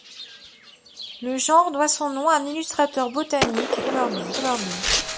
Le genre doit son nom à un illustrateur botanique, James Sowerby.